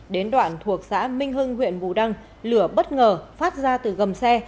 đến đoạn thuộc xã minh hưng huyện bù đăng lửa bất ngờ phát ra từ gầm xe